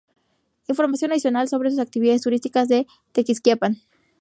Información adicional sobre actividades turísticas de Tequisquiapan.